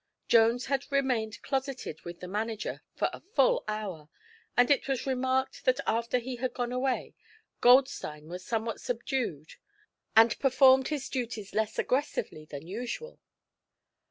Jones had remained closeted with the manager for a full hour, and it was remarked that after he had gone away Goldstein was somewhat subdued and performed his duties less aggressively than usual.